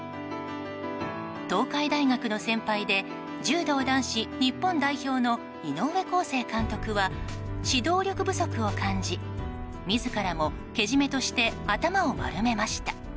東海大学の先輩で柔道男子日本代表の井上康生監督は指導力不足を感じ自らもけじめとして頭を丸めました。